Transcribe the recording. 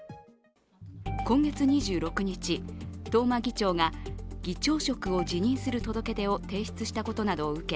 今月２６日、東間議長が議長職を辞任する届け出を提出したことなどを受け